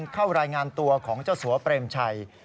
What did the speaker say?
เข้ารายงานตัวของเจ้าสัวเปรมชัย